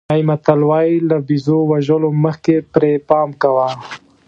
کینیايي متل وایي له بېزو وژلو مخکې پرې پام کوه.